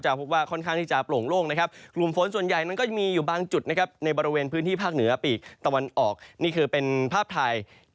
คุณผู้ชมดูภาพอากาศหลังจากนี้เนี่ยนะครับบริเวณตอนกลางประเทศช่วงเช้าวันนี้เนี่ยนะครับ